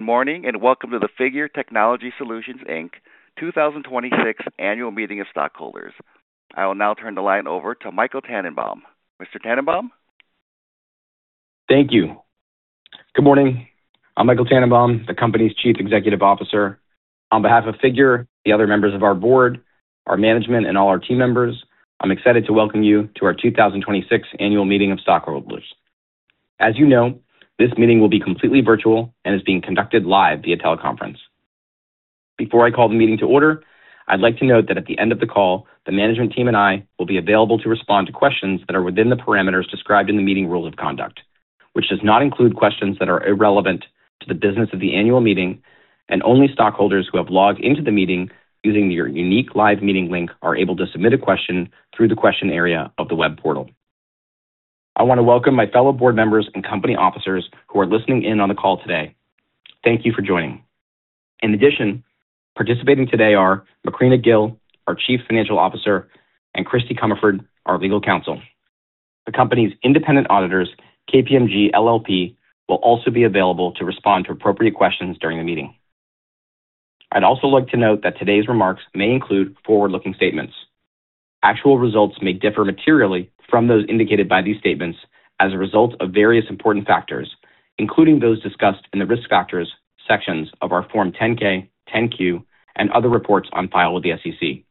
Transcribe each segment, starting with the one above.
Good morning, welcome to the Figure Technology Solutions Inc 2026 Annual Meeting of Stockholders. I will now turn the line over to Michael Tannenbaum. Mr. Tannenbaum. Thank you. Good morning. I'm Michael Tannenbaum, the company's Chief Executive Officer. On behalf of Figure, the other members of our board, our management, and all our team members, I'm excited to welcome you to our 2026 Annual Meeting of Stockholders. As you know, this meeting will be completely virtual and is being conducted live via teleconference. Before I call the meeting to order, I'd like to note that at the end of the call, the management team and I will be available to respond to questions that are within the parameters described in the meeting rules of conduct, which does not include questions that are irrelevant to the business of the annual meeting, and only stockholders who have logged into the meeting using your unique live meeting link are able to submit a question through the question area of the web portal. I want to welcome my fellow board members and company officers who are listening in on the call today. Thank you for joining. In addition, participating today are Macrina Kgil, our Chief Financial Officer, and Christie Comerford, our Legal Counsel. The company's independent auditors, KPMG LLP, will also be available to respond to appropriate questions during the meeting. I'd also like to note that today's remarks may include forward-looking statements. Actual results may differ materially from those indicated by these statements as a result of various important factors, including those discussed in the Risk Factors sections of our Form 10-K, 10-Q, and other reports on file with the SEC.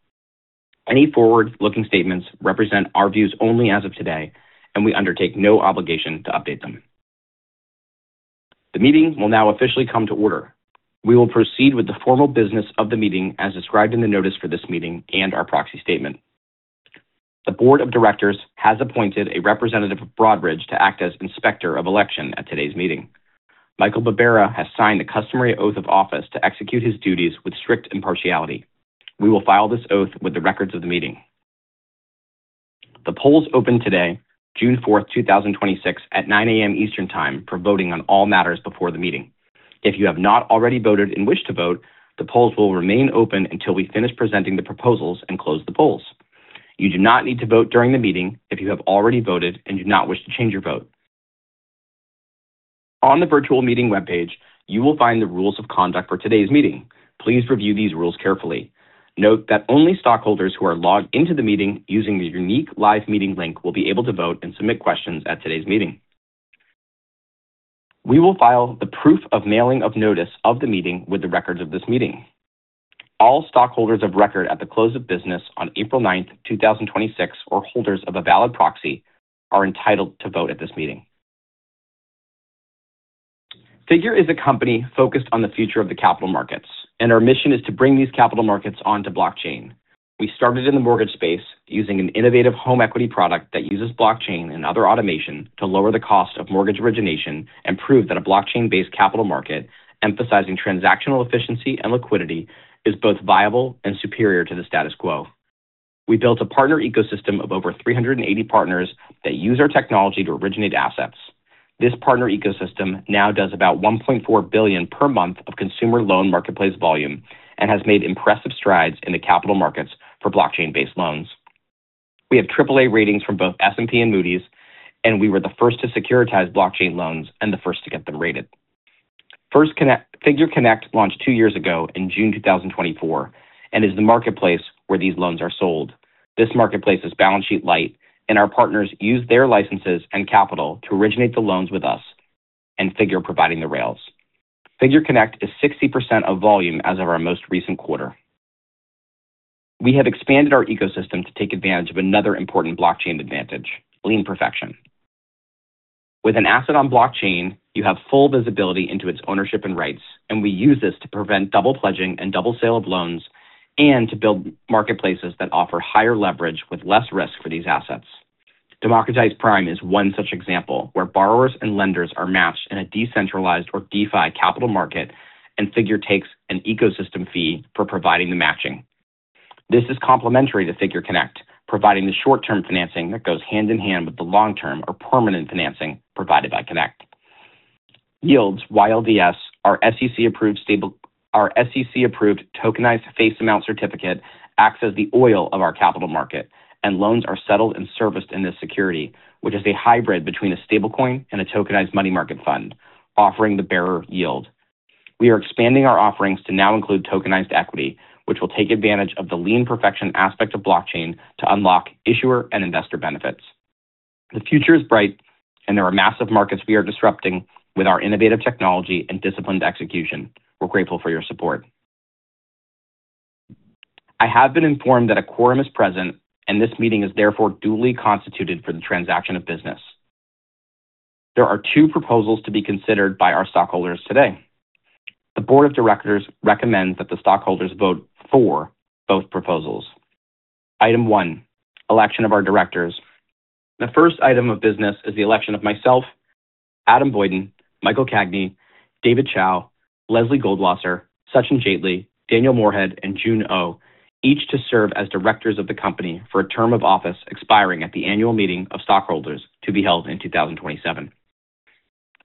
Any forward-looking statements represent our views only as of today, and we undertake no obligation to update them. The meeting will now officially come to order. We will proceed with the formal business of the meeting as described in the notice for this meeting and our proxy statement. The Board of Directors has appointed a representative of Broadridge to act as Inspector of Election at today's meeting. Michael Barbera has signed the customary oath of office to execute his duties with strict impartiality. We will file this oath with the records of the meeting. The polls opened today, June 4th, 2026, at 9:00 A.M. Eastern Time for voting on all matters before the meeting. If you have not already voted and wish to vote, the polls will remain open until we finish presenting the proposals and close the polls. You do not need to vote during the meeting if you have already voted and do not wish to change your vote. On the virtual meeting webpage, you will find the rules of conduct for today's meeting. Please review these rules carefully. Note that only stockholders who are logged into the meeting using the unique live meeting link will be able to vote and submit questions at today's meeting. We will file the proof of mailing of notice of the meeting with the records of this meeting. All stockholders of record at the close of business on April 9th, 2026, or holders of a valid proxy are entitled to vote at this meeting. Figure is a company focused on the future of the capital markets. Our mission is to bring these capital markets onto blockchain. We started in the mortgage space using an innovative home equity product that uses blockchain and other automation to lower the cost of mortgage origination and prove that a blockchain-based capital market emphasizing transactional efficiency and liquidity is both viable and superior to the status quo. We built a partner ecosystem of over 380 partners that use our technology to originate assets. This partner ecosystem now does about $1.4 billion per month of consumer loan marketplace volume and has made impressive strides in the capital markets for blockchain-based loans. We have AAA ratings from both S&P and Moody's, and we were the first to securitize blockchain loans and the first to get them rated. Figure Connect launched two years ago in June 2024 and is the marketplace where these loans are sold. This marketplace is balance sheet-light, and our partners use their licenses and capital to originate the loans with us and Figure providing the rails. Figure Connect is 60% of volume as of our most recent quarter. We have expanded our ecosystem to take advantage of another important blockchain advantage, lien perfection. With an asset on blockchain, you have full visibility into its ownership and rights. We use this to prevent double pledging and double sale of loans and to build marketplaces that offer higher leverage with less risk for these assets. Democratized Prime is one such example, where borrowers and lenders are matched in a decentralized or DeFi capital market. Figure takes an ecosystem fee for providing the matching. This is complementary to Figure Connect, providing the short-term financing that goes hand-in-hand with the long-term or permanent financing provided by Connect. Yields, YLDS, our SEC-approved tokenized face amount certificate, acts as the oil of our capital market. Loans are settled and serviced in this security, which is a hybrid between a stablecoin and a tokenized money market fund, offering the bearer yield. We are expanding our offerings to now include tokenized equity, which will take advantage of the lien perfection aspect of blockchain to unlock issuer and investor benefits. The future is bright, and there are massive markets we are disrupting with our innovative technology and disciplined execution. We're grateful for your support. I have been informed that a quorum is present, and this meeting is therefore duly constituted for the transaction of business. There are two proposals to be considered by our stockholders today. The Board of Directors recommends that the stockholders vote for both proposals. Item one, election of our directors. The first item of business is the election of myself, Adam Boyden, Michael Cagney, David Chao, Lesley Goldwasser, Sachin Jaitly, Daniel Morehead, and June Ou, each to serve as directors of the company for a term of office expiring at the annual meeting of stockholders to be held in 2027.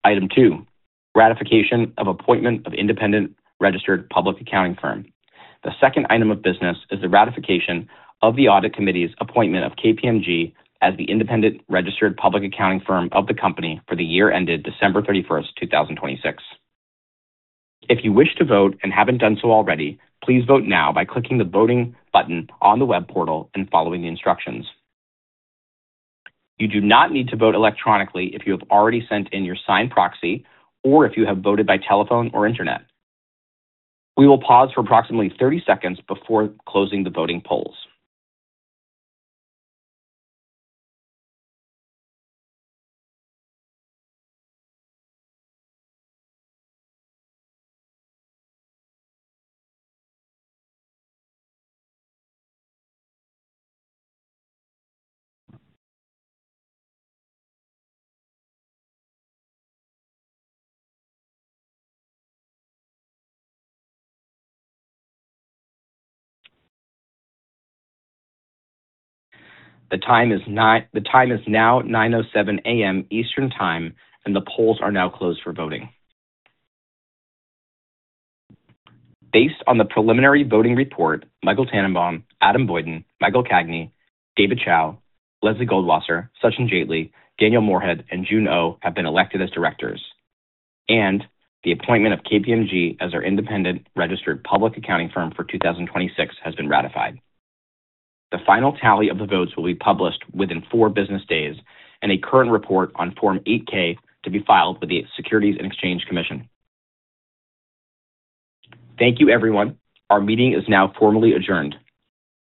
Item two, ratification of appointment of independent registered public accounting firm. The second item of business is the ratification of the audit committee's appointment of KPMG as the independent registered public accounting firm of the company for the year ended December 31st, 2026. If you wish to vote and haven't done so already, please vote now by clicking the voting button on the web portal and following the instructions. You do not need to vote electronically if you have already sent in your signed proxy or if you have voted by telephone or internet. We will pause for approximately 30 seconds before closing the voting polls. The time is now 9:07 A.M. Eastern Time, and the polls are now closed for voting. Based on the preliminary voting report, Michael Tannenbaum, Adam Boyden, Mike Cagney, David Chao, Lesley Goldwasser, Sachin Jaitly, Daniel Morehead, and June Ou have been elected as directors, and the appointment of KPMG as our independent registered public accounting firm for 2026 has been ratified. The final tally of the votes will be published within four business days in a current report on Form 8-K to be filed with the Securities and Exchange Commission. Thank you, everyone. Our meeting is now formally adjourned.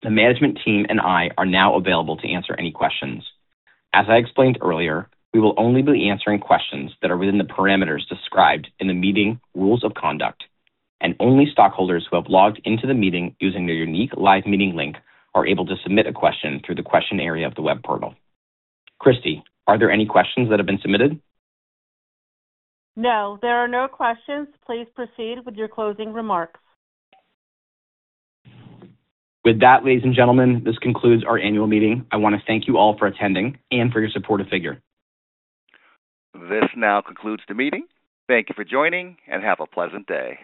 The management team and I are now available to answer any questions. As I explained earlier, we will only be answering questions that are within the parameters described in the meeting rules of conduct, and only stockholders who have logged into the meeting using their unique live meeting link are able to submit a question through the question area of the web portal. Christie, are there any questions that have been submitted? No, there are no questions. Please proceed with your closing remarks. With that, ladies and gentlemen, this concludes our annual meeting. I want to thank you all for attending and for your support of Figure. This now concludes the meeting. Thank you for joining, and have a pleasant day.